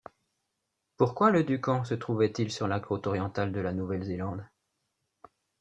Pourquoi le Duncan se trouvait-il sur la côte orientale de la Nouvelle-Zélande?